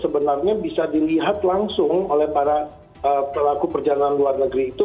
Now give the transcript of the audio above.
sebenarnya bisa dilihat langsung oleh para pelaku perjalanan luar negeri itu